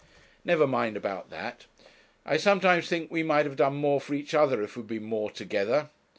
'Never mind about that; I sometimes think we might have done more for each other if we had been more together.